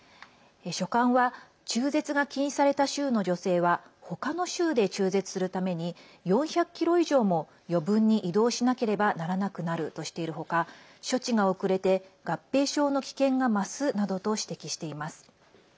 書簡は中絶が禁止された州の女性はほかの州で中絶するために４００ｋｍ以上も余分に移動しなければならなくなるとしているほか処置が遅れて合併症の危険が増すなどと指摘しています。